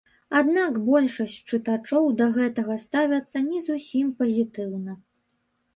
Аднак большасць чытачоў да гэтага ставяцца не зусім пазітыўна.